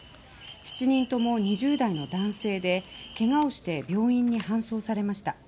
７人とも２０代の男性でけがをして病院に搬送されました。